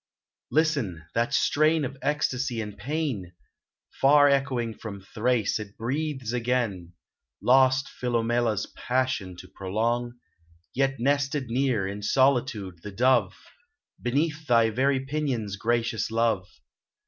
Listen ! That strain of ecstasy and pain ! Far echoing from Thrace, it breathes again, no LOVE, REPROACHFUL Lost Philomela's passion to prolong ; Yet nested near in solitude, the dove — Beneath thy very pinions, gracious Love